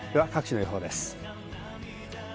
では各地の予報です。